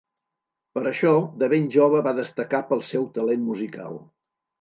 Per això, de ben jove va destacar pel seu talent musical.